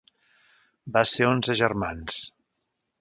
Va ser onze germans.